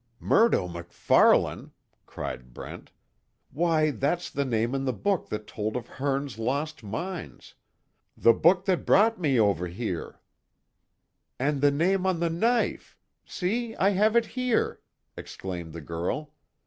"Murdo MacFarlane," cried Brent, "Why, that's the name in the book that told of Hearne's lost mines the book that brought me over here!" "And the name on the knife see, I have it here!" exclaimed the girl.